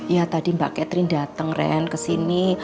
ya tadi mbak catherine datang ren kesini